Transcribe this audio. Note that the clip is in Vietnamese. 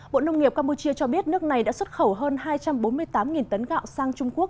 bộ nông nghiệp campuchia cho biết nước này đã xuất khẩu hơn hai trăm bốn mươi tám tấn gạo sang trung quốc